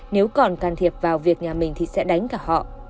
nếu còn can thiệp vào việc nhà mình thì sẽ đánh cả họ